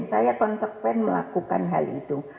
saya konsep pen melakukan hal itu